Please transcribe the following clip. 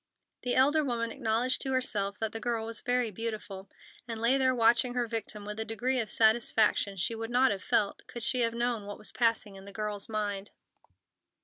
The elder woman acknowledged to herself that the girl was very beautiful, and lay there watching her victim with a degree of satisfaction she would not have felt, could she have known what was passing in the girl's mind.